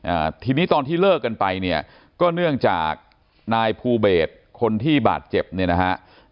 อ่าทีนี้ตอนที่เลิกกันไปเนี่ยก็เนื่องจากนายภูเบสคนที่บาดเจ็บเนี่ยนะฮะ